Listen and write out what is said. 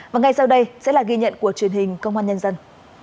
và ngay sau đây sẽ là ghi nhận của truyền hình công an nhân dân